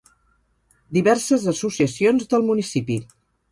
Diverses associacions del municipi.